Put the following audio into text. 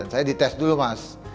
saya dites dulu mas